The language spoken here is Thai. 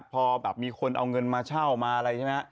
พอแบบมีคนเอาเงินมาเช่ามาอะไรใช่ไหม